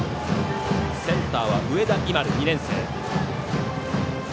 センターは上田莞丸、２年生。